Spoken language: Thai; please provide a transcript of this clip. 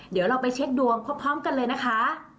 เดี๋ยวเราไปเช็คดวงพร้อมกันเลยนะคะ